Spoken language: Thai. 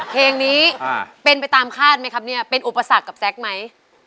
เพลงนี้เป็นไปตามคาดไหมครับเนี่ยเป็นอุปสรรคกับแซคไหม